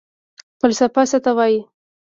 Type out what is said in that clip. فلسفه څه ته وايي؟